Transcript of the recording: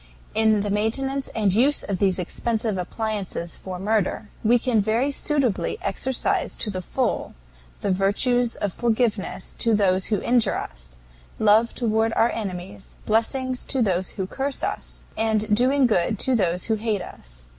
"In the maintenance and use of these expensive appliances for murder, we can very suitably exercise to the full the virtues of forgiveness to those who injure us, love toward our enemies, blessings to those who curse us, and doing good to those who hate us.